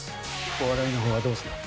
お笑いのほうはどうする？